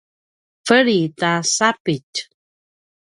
veneli ta sapitj